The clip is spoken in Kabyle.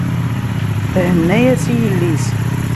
Thenna-yas i yelli-s.